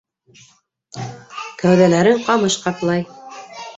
Кәүҙәләрен ҡамыш ҡаплай.